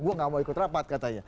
gue gak mau ikut rapat katanya